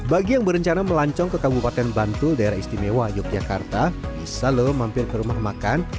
bagi yang berencana melancong ke kabupaten bantul daerah istimewa yogyakarta bisa lho mampir ke rumah makan